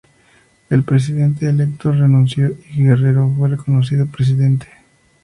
El presidente electo renunció y Guerrero fue reconocido presidente.